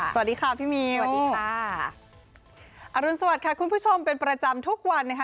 สวัสดีค่ะพี่มีสวัสดีค่ะอรุณสวัสดิค่ะคุณผู้ชมเป็นประจำทุกวันนะคะ